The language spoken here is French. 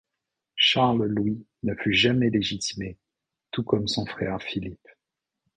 Charles Louis ne fut jamais légitimé, tout comme son frère Philippe.